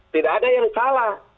tidak ada yang salah